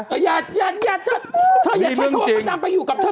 อย่าเธออย่าใช้คำว่ามดดำไปอยู่กับเธอ